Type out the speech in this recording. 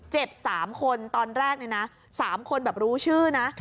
๓คนตอนแรกเนี่ยนะ๓คนแบบรู้ชื่อนะ